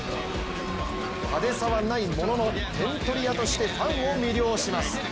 派手さはないものの点取り屋としてファンを魅了します。